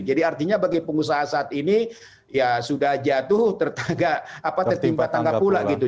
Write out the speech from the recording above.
jadi artinya bagi pengusaha saat ini ya sudah jatuh tertimpa tangga pula gitu